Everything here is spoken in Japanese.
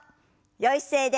よい姿勢で。